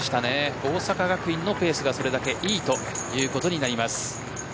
大阪学院のペースがそれだけいいということになります。